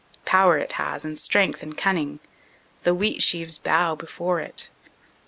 Power it has and strength and cunning; the wheat sheaves bow before it.